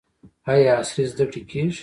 آیا عصري زده کړې کیږي؟